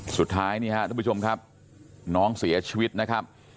สุดท้ายนี่ฮะทุกผู้ชมครับน้องเสียชีวิตนะครับ